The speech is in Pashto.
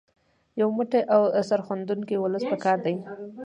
یو موټی او سرښندونکی ولس په کار دی.